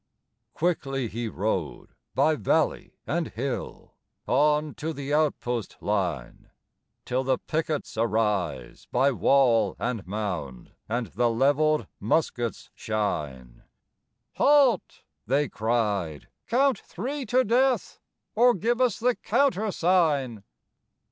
Quickly he rode by valley and hill, On to the outpost line, Till the pickets arise by wall and mound, And the levelled muskets shine; "Halt!" they cried, "count three to death, Or give us the countersign."